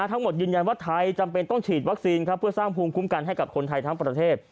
ยืนยันว่าไทยจำเป็นต้องฉีดวัคซีนครับเพื่อสร้างภูมิคุ้มกันให้กับคนไทยทั้งประเทศ